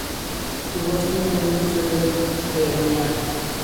Su voz tiene un sonido genial.